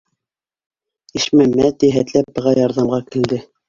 Ишмәмәт йәһәтләп быға ярҙамға килде: